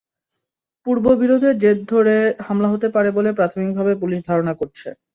পূর্ববিরোধের জের ধরে হামলা হতে পারে বলে প্রাথমিকভাবে পুলিশ ধারণা করছে।